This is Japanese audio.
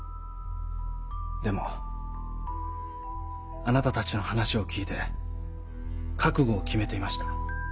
でもあなたたちの話を聞いて覚悟を決めていました。